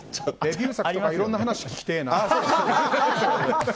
デビュー作とかいろんな話、聞きてえな。